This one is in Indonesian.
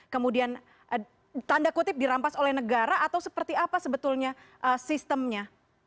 kemudian tanda kutip dirampas oleh negara atau seperti apa sebetulnya sistemnya